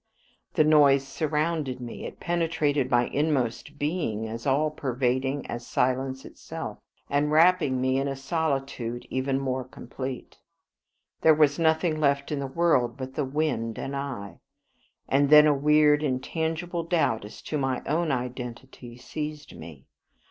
The noise surrounded me; it penetrated my inmost being, as all pervading as silence itself, and wrapping me in a solitude even more complete. There was nothing left in the world but the wind and I, and then a weird intangible doubt as to my own identity seized me.